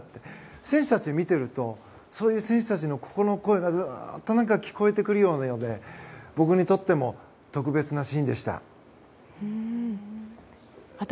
選手たちを見ているとそういう選手たちの心の声がずっと聞こえてくるようで僕にとっても特別なシーンでした。